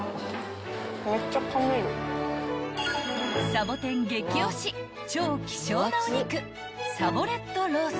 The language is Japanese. ［さぼてん激推し超希少なお肉］